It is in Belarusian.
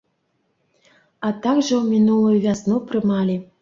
А так жа ў мінулую вясну прымалі.